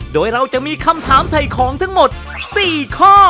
โดยเราจะมีคำถามถ่ายของทั้งหมด๔ข้อ